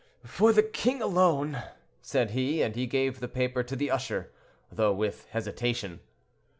"For the king alone," said he, and he gave the paper to the usher, though with hesitation.